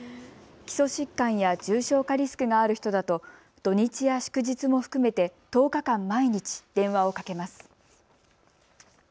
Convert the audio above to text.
基礎疾患や重症化リスクがある人だと土日や祝日も含めて１０日間毎日、電話をかけます。